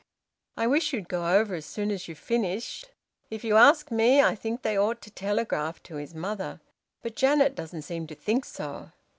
I wish you'd go over as soon as you've finished. If you ask me, I think they ought to telegraph to his mother. But Janet doesn't seem to think so.